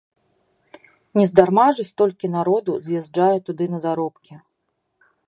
Нездарма ж столькі народу з'язджае туды на заробкі.